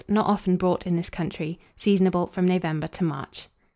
Not often bought in this country. Seasonable from November to March.